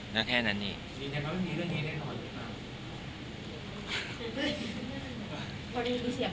น่าแท่นั้นเนี่ย